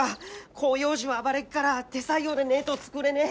広葉樹は暴れっから手作業でねえど作れねえ。